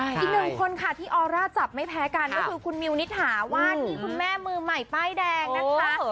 อีกหนึ่งคนค่ะที่ออร่าจับไม่แพ้กันก็คือคุณมิวนิษฐาว่าที่คุณแม่มือใหม่ป้ายแดงนะคะ